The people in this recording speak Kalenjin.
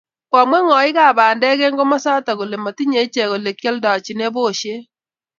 komwa ng'oikab bandek eng komosato kole motinyei ichek ole kioldochini busiek